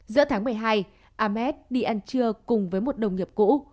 giữa tháng một mươi hai ames đi ăn trưa cùng với một đồng nghiệp cũ